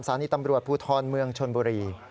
สาธารณีตำรวจภูทธรณ์เมืองชนบุรี